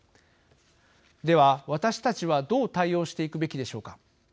では私たちはどう対応していくべきでしょうか。